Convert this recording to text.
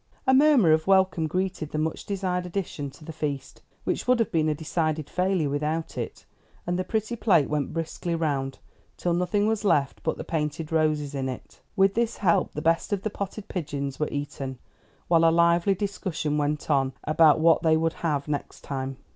A murmur of welcome greeted the much desired addition to the feast, which would have been a decided failure without it, and the pretty plate went briskly round, till nothing was left but the painted roses in it. With this help the best of the potted pigeons were eaten, while a lively discussion went on about what they would have next time.